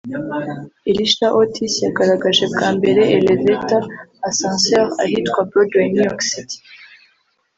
Elisha Otis yagaragaje bwa mbere elevator (ascenseur) ahitwa Broadway New York City